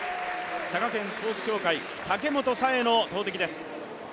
佐賀県スポーツ協会、武本紗栄の投てきです。